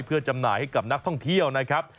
เพื่อจำหน่ายให้กับนักท่องเที่ยวนะครับ